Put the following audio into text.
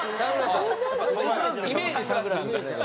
イメージサングラスですね。